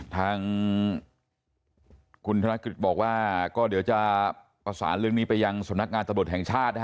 ทางคุณธนกฤษบอกว่าก็เดี๋ยวจะประสานเรื่องนี้ไปยังสำนักงานตำรวจแห่งชาตินะฮะ